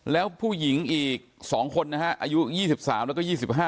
แล้วพ่อยิงสองคนอายุ๒๓และ๒๕